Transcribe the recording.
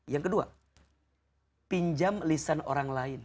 yang kedua pinjam lisan orang lain